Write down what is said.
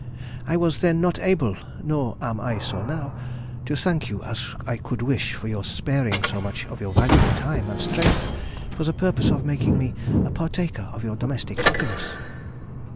I was then not able (nor am I so now) to thank you as I could wish for your sparing so much of your valuable time and strength for the purpose of making me a partaker of your domestic happiness.